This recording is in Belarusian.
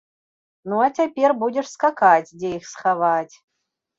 Ну, а цяпер будзеш скакаць, дзе іх схаваць.